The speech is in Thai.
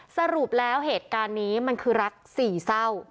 สรุปแล้วเหตุการณ์นี้มันคือรักสี่เศร้า